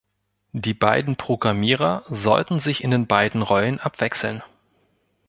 Die beiden Programmierer sollten sich in den beiden Rollen abwechseln.